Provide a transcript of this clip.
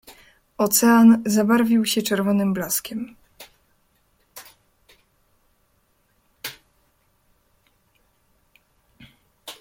"Ocean zabarwił się czerwonym blaskiem."